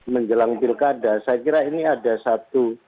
menjelang pilkada saya kira ini ada satu